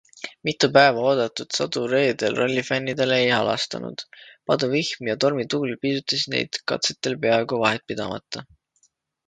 Mitu päeva oodatud sadu reedel rallifännidele ei halastanud - paduvihm ja tormituul piitsutasid neid katsetel peaaegu vahetpidamata.